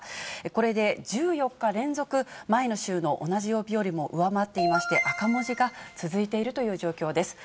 これで１４日連続、前の週の同じ曜日よりも上回っていまして、赤文字が続いているという状況です。